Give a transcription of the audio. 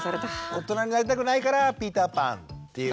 大人になりたくないからピーターパンっていうことですね。